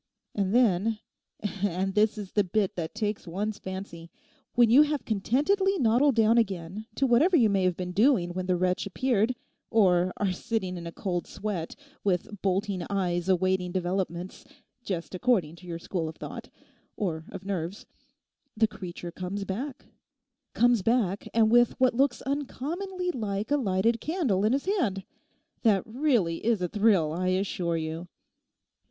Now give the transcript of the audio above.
And then—and this is the bit that takes one's fancy—when you have contentedly noddled down again to whatever you may have been doing when the wretch appeared, or are sitting in a cold sweat, with bolting eyes awaiting developments, just according to your school of thought, or of nerves, the creature comes back—comes back; and with what looks uncommonly like a lighted candle in his hand. That really is a thrill, I assure you.